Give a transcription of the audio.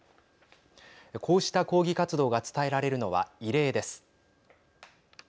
こうした抗議活動が伝えられるのは異例です。